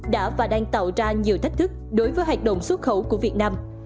đã và đang tạo ra nhiều thách thức đối với hoạt động xuất khẩu của việt nam